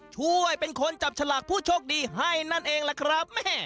ช่วยเป็นคนจับฉลากผู้โชคดีให้นั่นเองล่ะครับ